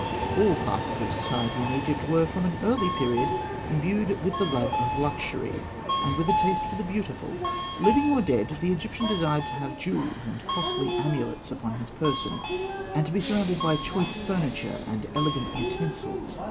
All classes of society in Egypt were, from an early period, imbued with the love of luxury, and with a taste for the beautiful. Living or dead, the Egyptian desired to have jewels and costly amulets upon his person, and to be surrounded by choice furniture and elegant utensils.